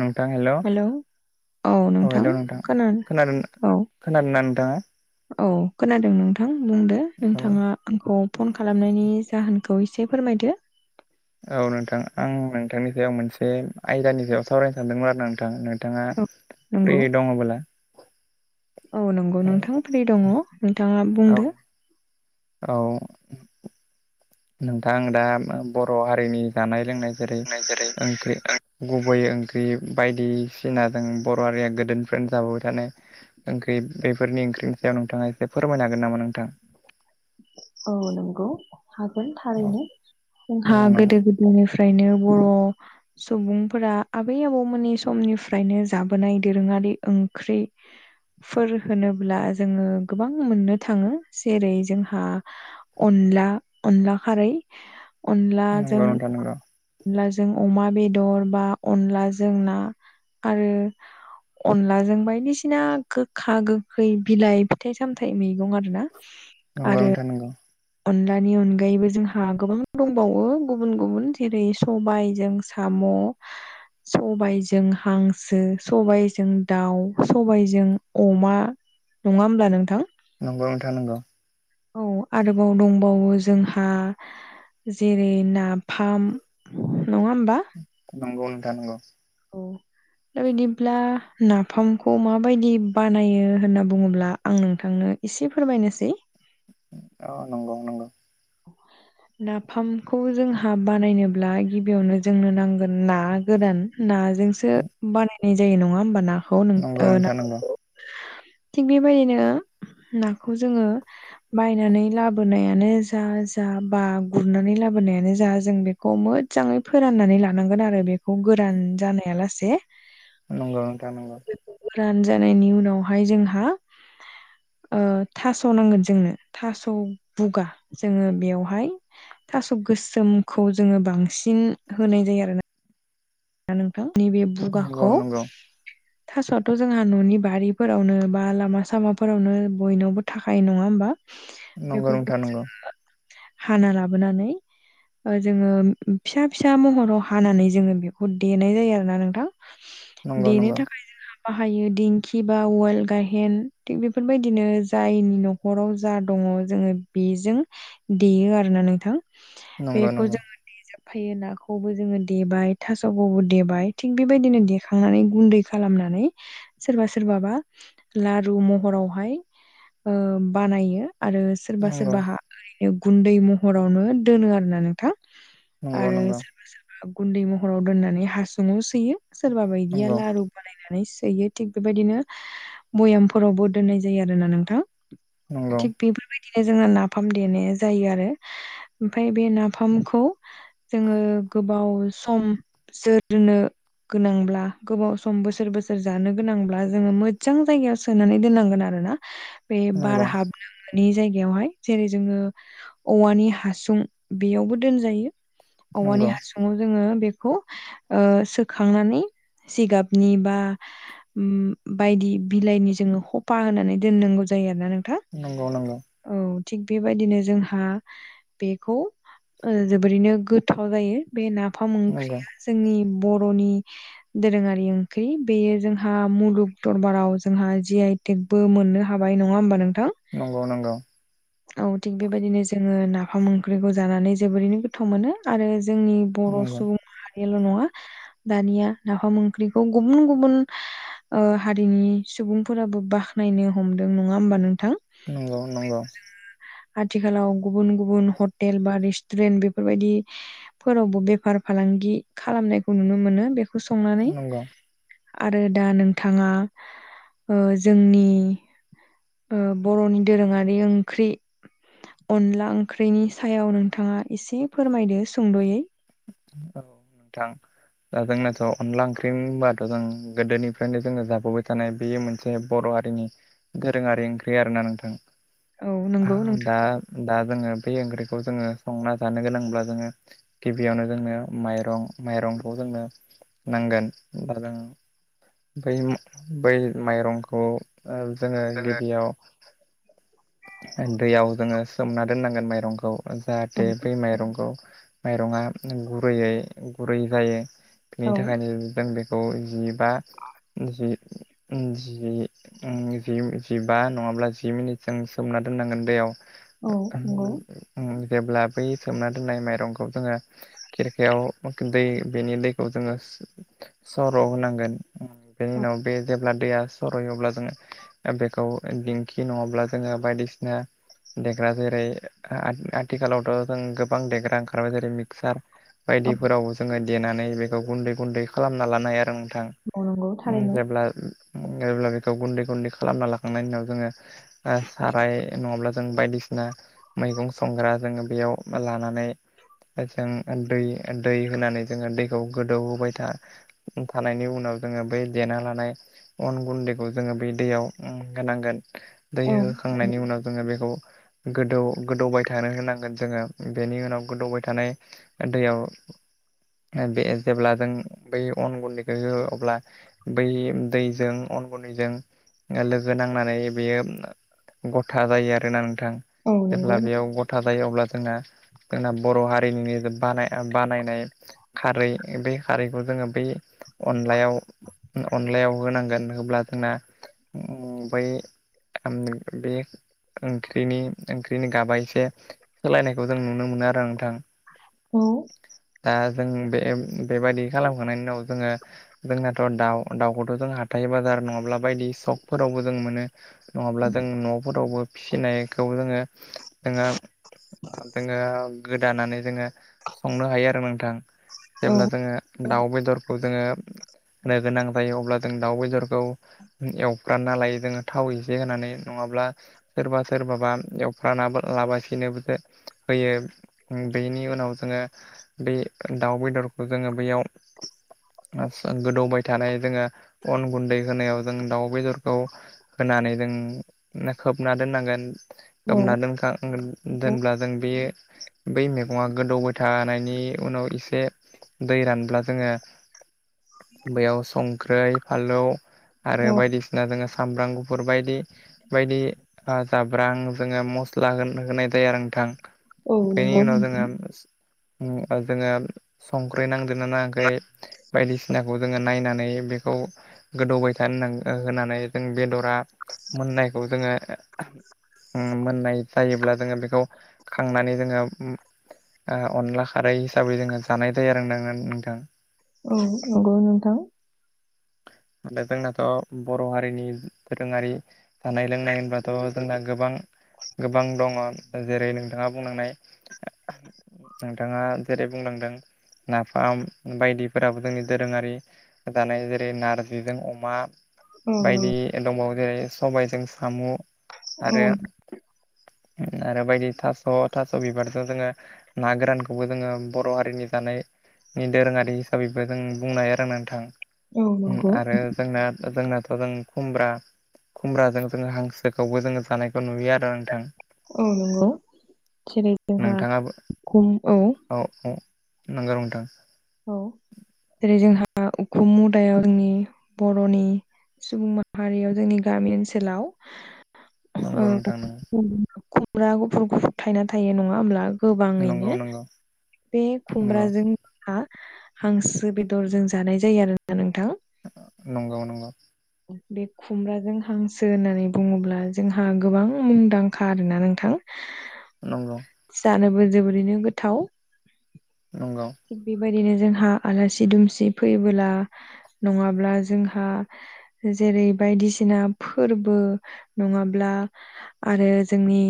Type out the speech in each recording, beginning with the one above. नोंथां हेलौ औ हेलौ नोंथां खोनादों औ खोनादोंना नोंथाङा? औ खोनादों नोंथां बुंदो औ नोंथाङा आंखौ फन खालामनायनि जाहोनखौ खौ एसे फोरमायदो। औ नोंथां आं नोंथांनि सायाव मोनसे आयदानि सायाव सावरायनो सानदोंमोन आरो नों थां नोंथाङा औ नंगौ फ्रि दङबोला। औ नंगौ औ नोंथां फ्रि दङ नोंथाङा औ बुंदो। औ नोंथां आ दा बर' हारिनि जानाय लोंनाय जेरै ओंख्रि गुबै ओं ख्रि बायदिसिना जों बर' हारिया गोदोनिफ्रायनो जाबोबाय थानाय ओंख्रि बेफोरनि ओंख्रिनि सायाव नोंथाङा एसे फोरमायनो हागोन नामा नोंथां? औ नंगौ हागोन औ थारैनो औ जोंहा नंगौ गोदो गोदायनिफ्राय फ्रायनो बर' सुबुंफोरा आबै आबौमोननि समनिफ्रायनो जाबोनाय दोरोङा रि ओंख्रि फोर होनोब्ला जोङो गोबां मोननो थाङो जेरै जों हा अनला अनला खारै अनलाजों नंगौ नोंथां नंगौ। अनलाजों अमा बेदर बा अनलाजों ना आरो अनलाजों बायदिसिना गोखा गोखै बिलाइ फिथाइ सामथाइ मैगं आरो ना नंगौ नोंथां नंगौ। अनलानि अनगायैबो जोंहा गोबां दंबावो गुबुन गुबुन जेरै सबाइजों साम म' सबायजों हांसो सबायजों दाउ सबायजों अमा नङा होमब्ला नोंथां? नंगौ नोंथां नंगौ। औ आरोबाव दंबावो जोंहा जेरै नाफाम नङा होमबा नंगौ नोंथां नंगौ औ। दा बिदिब्ला नाफामखौ माबायदि बानायो होनना बुङोब्ला आं नोंथां नो एसे फोरमायनोसै। अ नंगौ नंगौ। [inaudible] नाफामखौ जोंहा बानायनोब्ला गिबियावनो जोंनो नांगोन ना गोरान ना जोंसो बानायनाय जायो नङा होमबा नाखौ नों नंगौ ओ नोंथां नंगौ नाफामखौ थिग बेबायदिनो नाखौ जोङो बायनानै लाबोनायानो जा जा बा गुरनानै लाबोनायानो जा जों बेखौ मोजाङै फोराननानै लानांगोन आरो बे बेखौ गोरान जानाया लासे नंगौ नोंथां नंगौ। रान जानायनि उनावहाय जोंहा ओ थास' नांगोन जोंनो थास' बुगा जोङो बेयावहाय थास' गोसोमखौ जोङो बांसिन होनाय जायो आरोना। दा नोंथां नैबे नंगौ बुगाखौ नंगौ थासआथ जोंहा ननि बारिफोरावनो बा लामा सामाफोरावनो बयनावबो थाखायो नङा होमबा नंगौ नोंथां बेफोरखौनो नंगौ जोङो हाना लाबोनानै जोङो फिसा फिसा महराव हानानै जोङो बे देनाय जायो आरो ना नोंथां नंगौ देनो नंगौ थाखाय जोंहा बाहायो दिंखि बा उवाल गायहेन थिक बेफोरबायदिनो जायनि नखराव जा दङ नआव जोङो बेजों देयो आरोना नोंथां नंगौ नंगौ फैयो नाखौबो जोङो देबाय थासखौबो देबाय थिग बेबायदिनो देखांनानै गुन्दै खालामनानै सोरबा सोरबाबा लारु महरावहाय ओ बानायो आरो सोरबा सोरबा ओरैनो गुन्दै महरावनो दोनो आरो ना नोंथां नंगौ नंगौ आरो सोरबा सोरबा गुन्दै महराव दोननानै हासुङाव सोयो सोरबा बायदिया नंगौ लारु बानायनानै यो थिग बेबायदिनो भयामफोरावबो दोननाय जायो आरोना नोंथां नंगौ थिग बेफोरबायदि बिदिनो जोङो नाफाम देनाय जायो आरो ओमफ्राय बे नाफामखौ जोङो गोबाव सम जोरनो गोनांब्ला गोबाव सम बोसोर बोसोर जानो गोनांब्ला जोङो मोजां जायगायाव सोनानै दोननांगोन आरो बे नंगौ बार हाबनो मोनै नि जायगायावहाय जेरै जोङो औवानि हासुं बेयावबो दोनजायो औवानि हासुङाव जोङो बेखौ ओ सोखांनानै जिगाबनि बा ओम बायदि बिलाइनि जोङो सफा होनानै दोननांगौ जा जायो आरोना नोंथां नंगौ नंगौ औ थिग बेबायदिनो जोंहा बेखौ जोबोरैनो गोथाव जायो बे नाफोराव फख्रिया जोंनि बर'नि दोरोङारि ओंख्रि बेयो जोंहा मुलुग दरबाराव जोंहा जि आइ टेकबो मोननो हाबाय नङा होमबा नोंथां नंगौ नंगौ औ थिग बेबायदिनो जोङो नाफाम ओंख्रिखौ जानानै जोबोरैनो गोथाव मोनो आरो जोंनि बर' नंगौ सुबुं रियाल' नङा दानिया नाफाम ओंख्रिखौ गुबुन गुबुन हारिनि सुबुंफोराबो बाख्नायनो हमदों नङा होमबा नों- नंगौ नंगौ। आथिखालाव गुबुन गुबुन हटेल बा रेस्टुरेन्ट बेफोरबायदि फोरावबो बेफार फालांगि खालामनायखौ नुनो मोनो बेखौ संनानै औ आरो दा नोंथाङा जोंनि- बर'नि दोरोङारि ओंख्रि अनला ओंख्रिनि सायाव नोंथाङा एसे फोरमायदो सुंद'यै औ नोंथां दा जोंनाथ' अनला ओंख्रि होनबाथ' जों गोदोनिफ्रायनो जोङो जाबोबाय थानाय बे मोनसे बर' गोरोङारि ओंख्रि आरोना नोंथां औ नंगौ नोंथां दा दा जोङो बे ओंख्रिखौ जोङो संना जानो गोनांब्ला जोङो गिबियावनो जोंनो माइरं माइरंखौ जोंनो नांगोन बा जों बै बै माइरंखौ जोङो गिबियाव दैयाव जोङो सोमना दोननांगोन माइरंखौ जाहाथे बै माइरंखौ- माइरङा गुरैयै गुरै जायो बिनि औ थाखायनो जों बेखौ जि बा जि जि जिबा नङाब्ला जि मिनिट जों सोमना दोननांगोन दैयाव औ ओ उम नंगौ ओ उम जेब्ला बै सोमना दोन्नाय माइरंखौ जोङो खिरखायाव दै बेनि दैखौ जोङो सो सर' होनांगोन। उम बेनि औ उनाव बे जेब्ला दैया सरयो अब्ला जोङो बेखौ दिंखि नङाब्ला जोङो बायदिसिना देग्रा जेरै आथि-आथिखालावथ' जों गोबां देग्रा ओंखारबाय जेरै मिक्सार बायदिफोराव जोङो देनानै बेखौ गुन्दै गुन्दै खालामना लानो हायो आरो नों थां औ नंगौ उम थारैनो जेब्ला जेब्ला बेखौ गुन्दै गुन्दै खालामना लाखांनायनि उनाव जोङो ओ साराय नङाब्ला जों बायदिसिना मैगं संग्रा जोङो बेयाव लानानै जों दै दै होनानै जोङो दैखौ गोदौहोबाय था थानायनि उनाव जोङो बै देना लानाय अन गुन्दैखौ जोङो बे दैयाव उम होनांगोन। दै औ होखांनायनि उनाव जोङो बेखौ गोदौ गोदौबाय थानो होनांगोन जोङो बेनि उनाव गोदौबाय थानाय दैयाव [inaudible] बे जेब्ला जों बै अन गुन्दैखौ होयो अब्ला बै दैजों अन गुन्दैजों लोगो नांनानै बियो गथा जायो आरोना नोंथां। औ नंगौ जेब्ला बेयाव गथा जायो अब्ला जोंना जोंना बर' हारिनिनो बानाय बानायनाय खारै बे खारैखौ जोङो बे अनलायाव अनलायाव होनांगोन होब्ला जोंना उम बै आम बे ओंख्रिनि ओंख्रिनि गाबा एसे सोलायनायखौ जों नुनो मोनो आरो नोंथां। ओ दा जों बे-बेबायादि खालामखांनायनि उनाव जोङो जोंनाथ' दाउ दाउखौथ' जों हाथाइ बा जार नङाब्ला बायदि सक फोरावबो जों मोनो। नङाब्ला जों न'फोरावबो फिसिनायखौ जोङो जोङो जोङो गोदानानै जोङो संनो हायो आरो नोंथां। औ जेब्ला जोङो दाउ बेदरखौ जोङो होनो गोनां जायो अब्ला जों दाउ बेदरखौ एवफ्रामना लायो जोङो थाव एसे होनानै नङाब्ला सोरबा सोरबाबा एवफ्राना लाबासिनोबो होयो। उम बेनि उनाव जोङो बे दाउ बेदरखौ जोङो बैयाव आदसा गोदौबाय थानाय जोङो अन गुन्दै होनायाव जों दाउ बेदरखौ होनानै जों खोबना दोननांगोन औ खोबना दोनखांगोन। औ दोनब्ला जों बे बै मैगङा गोदौबाय थानायनि उनाव इसे दै रानब्ला जोङो बैयाव संख्रै फालौ आरो औ बायदिसिना जोङो सामब्राम गुफुर बाय दि बायदि ओ जाब्रां जोङो मस्ला होन होनाय जायो आरो नोंथां। औ बेनि नंगौ उनाव जोङो उम जोङो संख्रै नांदोना नाङाखै बायदिसिनाखौ जोङो नायनानै बे बेखौ गोदौबाय थानो हो ओ होनानै जों बेदरा मोननायखौ जोङो उम मोननाय जायोब्ला जोङो बेखौ खांनानै जोङो ओ ओ अनला खारै हिसाबै जोङो जानाय जायो आरो नोङो नोंथां। औ नंगौ नोंथां। माथो जोंनाथ' बर' हारिनि फोर दोरोङारि जानाय लोंनाय होनबाथ' जोंना गोबां गोबां दङ जेरै नोंथाङा बुंलांनाय नोंथाङा जेरै बुंलांदों नाफाम बायदिफोराबो जोंनि दोरोङारि जानाय जेरै नारजिजों अमा। औ बायदि नंगौ दंबावो जेरै सबायजों साम'। आरो औ। आरो बायदि थास' थास' बिबारजों जोङो ना गोरानखौबो जोङो बर' हारिनि जानायनि दोरोङारि हिसाबैबो जों बुंनो हायो आरो नोंथां। औ ओ नंगौ आरो जोंना जोंनाथ' जों खुमब्रा। खुमब्राजों जोङो हांसोखौबो जोङो जानायखौ नुयो आरो नोंथां। औ नंगौ जेरै जोंहा नोंथाङाबो खुम औ। नंगौ नोंथां। औ जेरै जोंहा उखुम मुदायाव जोंनि बर'नि सुबुं माहारियाव जोंनि गामि ओनसोलाव। नंगौ ओ नोंथां खुमब्रा गुफुर गुफुर थायना थायो नङा होमब्ला। नंगौ गोबाङैनो नंगौ बे नंगौ खुमब्राजों। हा हांसो बेदरजों जानाय जायो आरोना नोंथां। नंगौ नंगौ। बे खुमब्राजों हांसो होननानै बुङोब्ला जोंहा गोबां मुंदांखा आरोना नोंथां। जानोबो जोबोरैनो गोथाव। नंगौ। थिग बेबायदिनो जोंहा आलासि दुमसि फैबोला नङाब्ला जोंहा‌। जेरै बायदिसिना फोरबो नङाब्ला आरो जोंनि।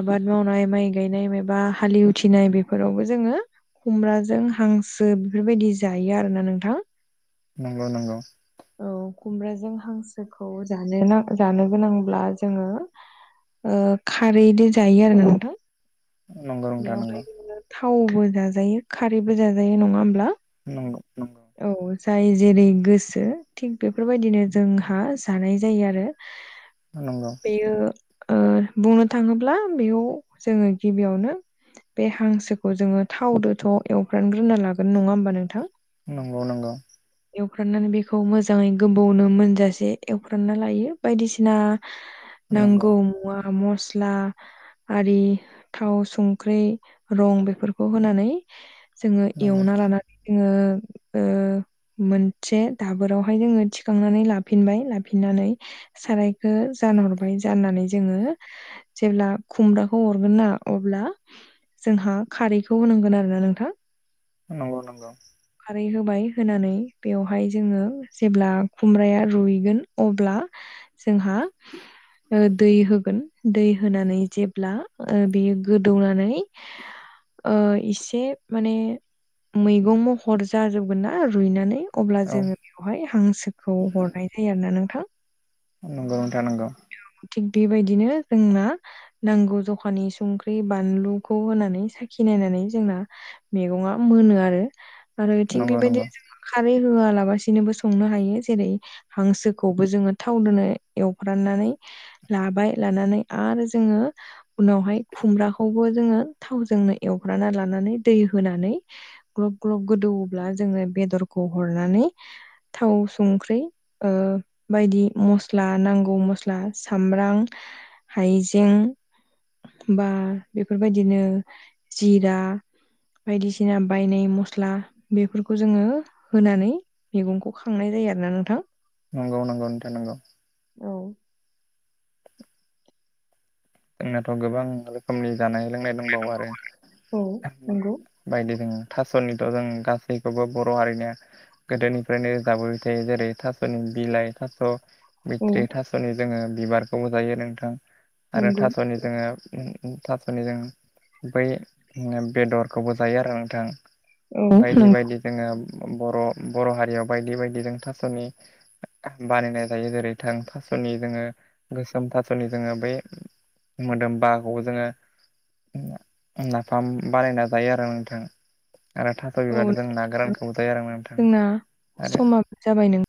आबाद मावनाय माइ गायनाय मायबा हालि उथिनाय बेफोरावबो जोङो खुमब्रा जों हांसो बेफोरबायदि जायो आरोना नोंथां। नंगौ नंगौ। औ खुमब्राजों हांसोखौ जानो जानो गोनांब्ला जोङो। ओ खारैदो जायो आरो नोंथां। नंगौ नोंथां बेयावहाय नंगौ जोङो थावबो जाजायो खारैबो जाजायो नङा होमब्ला। नंगौ नंगौ। औ जाय जेरै गोसो थिग बेफोरबायदिनो जोंहा जानाय जायो आरो नंगौ बेयो बुंनो थाङोब्ला बेयाव जोङो गिबियावनो बे हांसोखौ जोङो थावदोथ' एवफ्रामग्रोना लागोन नङा होमबा नोंथां? नंगौ नंगौ एवखांनानै बेखौ मोजाङै गोबावनो मोनजासे एवख्रांना लायो बायदिसिना नंगौ नांगौ मुवा मस्ला आरि थाव सं ख्रि रं बेफोरखौ होनानै जोङो एवना लानानै। [unintelligible] मोनसे दाबोरावहाय जोङो थिखांनानै लाफिनबाय लाफिननानै सारायखो ज जानहरबाय जाननानै जोङो जेब्ला खुमब्राखौ हरगोन ना अब्ला जोंहा खारैखौ होनांगोन आरोना नोंथां। नंगौ नंगौ खारै होबाय होनानै बेवहाय जोङो जेब्ला खुमब्राया रुयगोन अब्ला जोंहा दै होगोन दै होनानै जेब्ला बेयो गोदौनानै इसे माने मैगं महर जाजोबगोन ना रुइनानै अब्ला औ जोङो बेवहाय हांसोखौ हरनाय जायो आरोना नोंथां। नंगौ नोंथां नंगौ। थिग बेबायदिनो जोंना नांगौ जखानि संख्रि बानलुखौ होनानै साखिनाय। नायनानै जोंना मेगंआ मोनो आरो -आरो एथिं नंगौ नंगौ बेबायदिनो जोंना खारै होआलाबसिनोबो संनो हायो जेरै हांसोखौबो जोङो थाव दोनो एवफ्रामनानै लाबाय लानानै आरो जोङो उनावहाय खुमब्राखौबो जोङो थाव जोंनो एवब्राना लानानै दै होनानै ग्लब ग्लब गोदौब्ला जोङो बेदरखौ हरनानै थाव संख्रि बायदि दि मस्ला नांगौ मस्ला सामब्राम हायजें बा बेफोरबायदिनो जिरा बायदिसिना बायनाय मस बेफोरखौ जोङो होनानै मैगंखौ खांनाय जायो आरोना नोंथां नंगौ नगौ नोंथां नंगौ औ जोंनाथ' गोबां रोखोमनि जानाय लोंनाय दंबावो आरो औ नंगौ बायदि दोङ थास'निथ' जों गासैखौबो बर' हारिनि गोदोनिफ्रायनो जाबोबाय थायो जेरै थास'नि बिलाइ थाथ' औ बैथ्रि थास'नि जोङो बिबारखौबो जायो नोंथां आरो नंगौ थास'नि जोङो थास'नि जों बै बेदरखौबो जायो आरो नोंथां औ बायदि नंगौ बायदि जोङो बर' बर' हारियाव बायदि बायदि जों थास'नि बानायनाय जायो जेरै थां थास'नि जोङो गोसोम थास'नि जोङो बै मोदोमबाखौ जोङो नाफाम बानायना जायो आरो नोंथां आरो थास' औ बिबार जों ना गोरानखौबो जायो आरो नोंथां जोंना आरो समाबो जाबाय नों